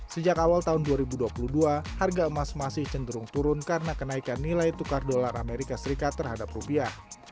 sejak awal tahun dua ribu dua puluh dua harga emas masih cenderung turun karena kenaikan nilai tukar dolar amerika serikat terhadap rupiah